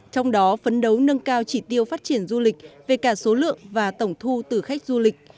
trong đó phấn đấu nâng cao chỉ tiêu phát triển du lịch về cả số lượng và tổng thu từ khách du lịch